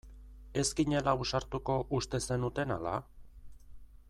Ez ginela ausartuko uste zenuten ala?